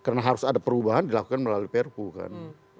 karena harus ada perubahan dilakukan melalui prpu kan